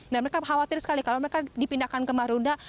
dan mereka khawatir sekali kalau mereka dipindahkan ke marunda